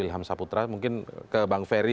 ilham saputra mungkin ke bang ferry